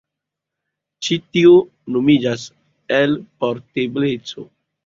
Ĉi tio nomiĝas elportebleco.